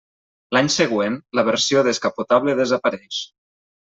L'any següent, la versió descapotable desapareix.